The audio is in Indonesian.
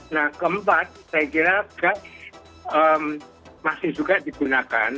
nah keempat saya kira gas masih juga digunakan